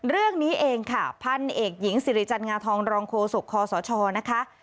เรื่องนี้เองค่ะพันเอกหญิงสิริจันงาทองรองโฆษกคอสชนะคะ